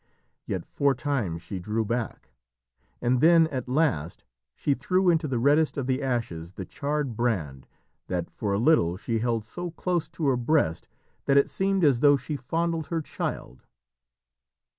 Yet four times she drew back, and then at last she threw into the reddest of the ashes the charred brand that for a little she held so close to her breast that it seemed as though she fondled her child.